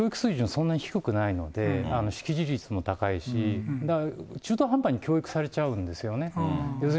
そんなに低くないので、識字率も高いし中途半端に教育されちゃうんですね。